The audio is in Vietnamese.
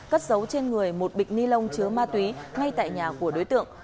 cất dấu trên người một bịch ni lông chứa ma túy ngay tại nhà của đối tượng